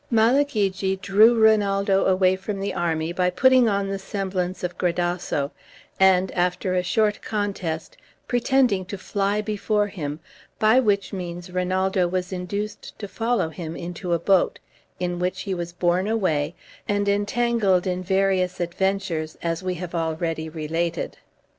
Malagigi drew Rinaldo away from the army by putting on the semblance of Gradasso, and, after a short contest, pretending to fly before him, by which means Rinaldo was induced to follow him into a boat, in which he was borne away, and entangled in various adventures, as we have already related.